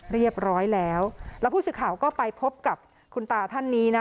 เรียบร้อยแล้วแล้วผู้สื่อข่าวก็ไปพบกับคุณตาท่านนี้นะ